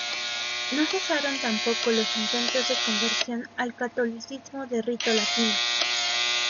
No cesaron tampoco los intentos de conversión al catolicismo de rito latino.